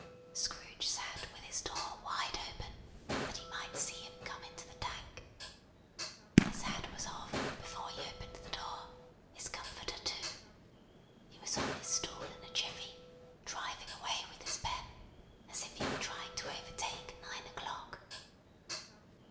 Scrooge sat with his door wide open, that he might see him come into the Tank. His hat was off, before he opened the door; his comforter too. He was on his stool in a jiffy; driving away with his pen, as if he were trying to overtake nine o'clock.